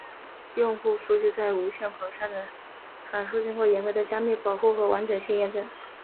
用户数据在无线口上的传输经过严格的加密保护和完整性验证。